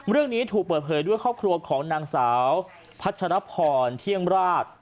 เรื่องนี้ถูกเปิดเผยด้วยครอบครัวของนางสาวพัชรพรเที่ยงราช